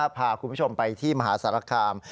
พาคุณผู้ชมไปที่มหาสารคาม